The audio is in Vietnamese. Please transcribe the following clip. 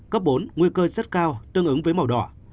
cấp bốn nguy cơ rất cao tương ứng với màu đỏ